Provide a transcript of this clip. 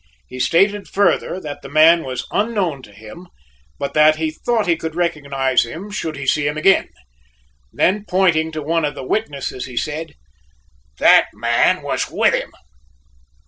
He stated further that the man was unknown to him, but that he thought he could recognize him should he see him again. Then pointing to one of the witnesses, he said: "That man was with him!"